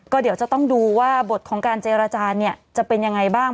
ก็เดี๋ยวจะต้องดูว่าบทของการเจรจาเนี่ยจะเป็นยังไงบ้าง